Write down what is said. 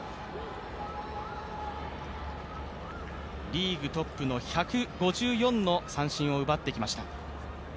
リーグトップの１５４の三振を奪ってきました。